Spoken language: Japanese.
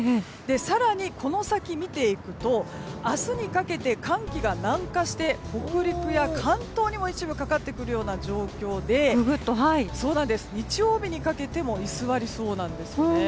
更にこの先、見ていくと明日にかけて寒気が南下して北陸や関東にも一部かかってくる状況で日曜日にかけても居座りそうなんですね。